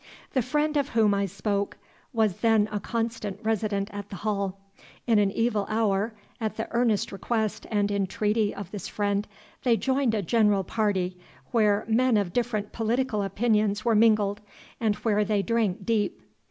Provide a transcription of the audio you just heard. The friend of whom I spoke was then a constant resident at the Hall. In an evil hour, at the earnest request and entreaty of this friend, they joined a general party, where men of different political opinions were mingled, and where they drank deep.